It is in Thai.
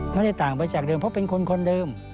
ไม่ได้ต่างไปจากเดิมเพราะเป็นคนเดิม